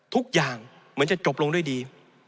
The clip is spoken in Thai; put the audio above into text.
ทุกอย่างเหมือนจะจบลงด้วยดี